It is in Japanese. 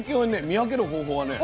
見分ける方法はね